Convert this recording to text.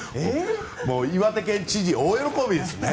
岩手県知事大喜びですね。